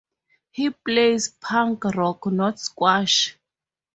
He plays punk rock, not squash.